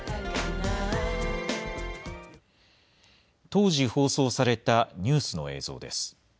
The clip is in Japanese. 当時、放送されたニュースの映像です。